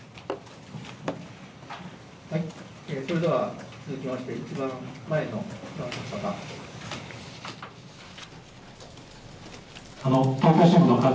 それでは続きまして、一番前の男性の方。